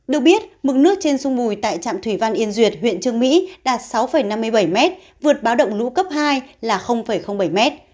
được biết mực nước trên sông bùi tại trạm thủy văn yên duyệt huyện trương mỹ đạt sáu năm mươi bảy m vượt báo động lũ cấp hai là bảy m